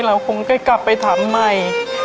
เราคงก็กลับไปทำใหม่